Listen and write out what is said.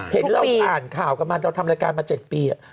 เห็นเราอ่านข่าวกันมาเราทำรายการมา๗ปี